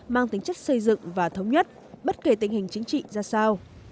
mang tính chất xây dựng và thống nhất bất kể tình hình chính trị ra sao